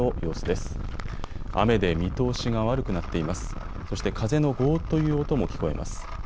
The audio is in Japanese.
そして風のゴーッという音も聞こえます。